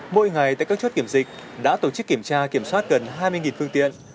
mỗi ngày tại các chốt kiểm dịch đã tổ chức kiểm tra kiểm soát gần hai mươi phương tiện